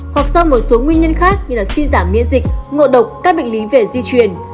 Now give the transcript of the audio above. hoặc do một số nguyên nhân khác như suy giảm miễn dịch ngộ độc các bệnh lý về di chuyển